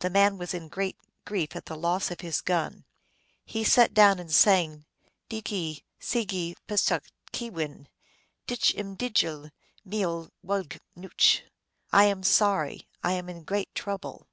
The man was in great grief at the loss of his gun. He sat down and sang :" Nici sigi psach ke yin, Dich m djel mieol wagb nuch ." I am sorry, I am hi great trouble.